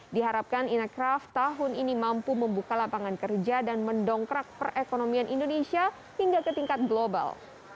diharapkan inacraft tahun ini mampu membuka lapangan kerja dan mendongkrak perekonomian indonesia hingga ke tingkat global